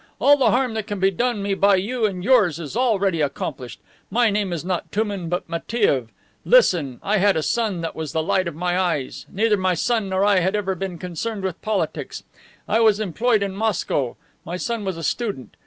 All the harm that can be done me by you and yours is already accomplished. My name is not Touman, but Matiev. Listen. I had a son that was the light of my eyes. Neither my son nor I had ever been concerned with politics. I was employed in Moscow. My son was a student.